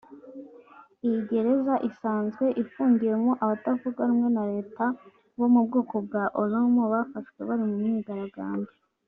Iyi gereza isanzwe ifungiyemo abatavuga rumwe na Leta bo mu bwoko bw’aba Oromo bafashwe bari mu myigaragambyo